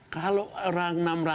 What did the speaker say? kalau orang enam ratus